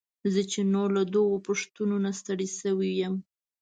زه چې نور له دغو پوښتنو نه ستړی شوی وم.